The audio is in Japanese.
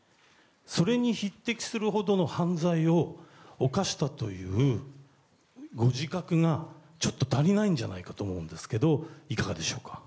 それに匹敵するほどの犯罪を犯したというご自覚がちょっと足りないんじゃないかと思うんですけどいかがでしょうか？